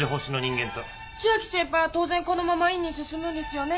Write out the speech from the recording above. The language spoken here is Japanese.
千秋先輩は当然このまま院に進むんですよね？